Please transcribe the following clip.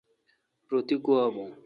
رو تی گوا بون۔